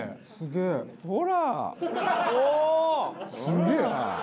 すげえ！